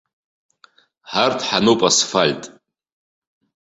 Ҳарҭ ҳануп асфальт.